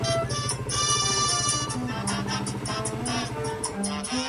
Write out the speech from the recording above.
Fue General del Mar del Sur y Gobernador de la Armada de las Indias.